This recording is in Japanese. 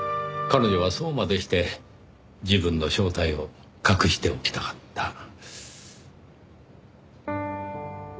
彼女はそうまでして自分の正体を隠しておきたかった。